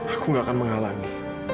aku gak akan menghalangi